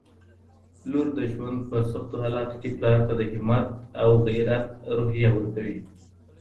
لور د ژوند په سختوحالاتو کي پلار ته د همت او غیرت روحیه ورکوي